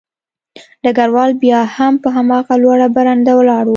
ډګروال بیا هم په هماغه لوړه برنډه ولاړ و